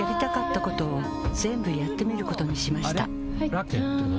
ラケットは？